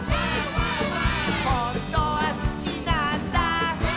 「ほんとはすきなんだ」